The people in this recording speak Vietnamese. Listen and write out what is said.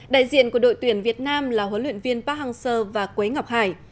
đại diện của đội tuyển việt nam là huấn luyện viên park hang seo và quế ngọc hải